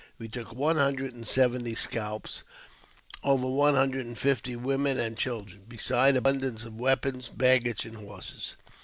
We took one hundred and seventy scalps, over one hundred and fifty women and children, besides abundance of weapons, baggage, and horses.